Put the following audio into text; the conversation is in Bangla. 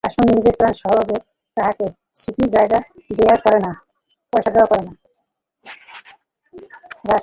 রাসমণি নিজের প্রাপ্য সম্বন্ধে কাহাকে সিকি পয়সা রেয়াত করেন না।